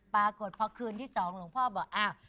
ปรากฏพอคืนที่สองหลวงพ่อบอกอ้าว